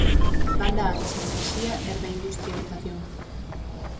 Banda ancha, enerxía e reindustrialización.